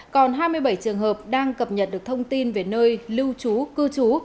còn hai mươi bảy trường hợp đang cập nhật được thông tin về nơi lưu trú cư trú